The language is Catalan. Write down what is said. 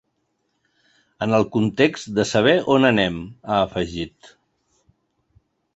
“En el context de saber on anem”, ha afegit.